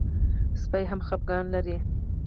سپي هم خپګان لري.